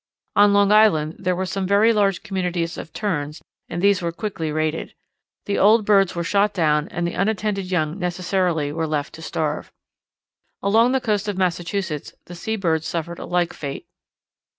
On Long Island there were some very large communities of Terns and these were quickly raided. The old birds were shot down and the unattended young necessarily were left to starve. Along the coast of Massachusetts the sea birds suffered a like fate.